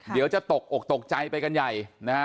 เดี๋ยวจะตกอกตกใจไปกันใหญ่นะฮะ